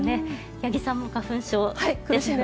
八木さんも花粉症ですよね。